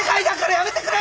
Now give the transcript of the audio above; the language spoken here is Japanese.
やめてくれ！